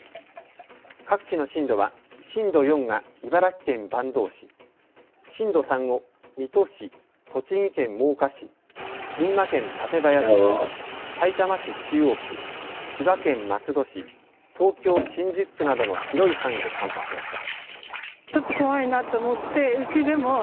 各地の震度は震度４が茨城県坂東市、震度３を水戸市、栃木県真岡市、群馬県館林市、さいたま市中央区、千葉県松戸市、東京新宿区などの広い範囲で観測しました。